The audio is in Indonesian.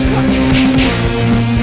ngaku dong siapa